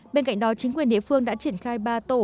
bên cạnh đó chính quyền địa phương đã triển khai ba tổ